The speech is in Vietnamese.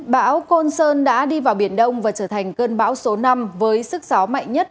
bão côn sơn đã đi vào biển đông và trở thành cơn bão số năm với sức gió mạnh nhất